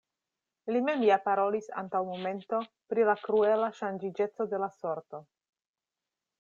Li mem ja parolis antaŭ momento pri la kruela ŝanĝiĝeco de la sorto!